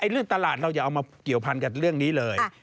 เรื่องตลาดเราอย่าเอามาเกี่ยวพันกับเรื่องนี้เลย